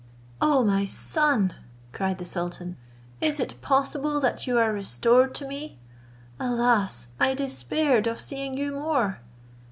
"O my son!" cried the sultan, "is it possible that you are restored to me? Alas! I despaired of seeing you more."